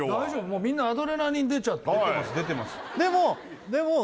もうみんなアドレナリン出ちゃって出てます